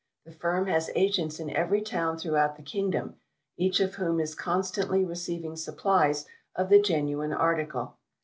The Firm has Agents in every town throughout the kingdom, each of whom is constantly receiving supplies of the genuine article.